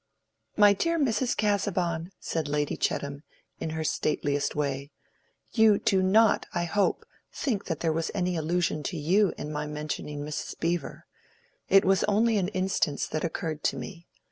"My dear Mrs. Casaubon," said Lady Chettam, in her stateliest way, "you do not, I hope, think there was any allusion to you in my mentioning Mrs. Beevor. It was only an instance that occurred to me.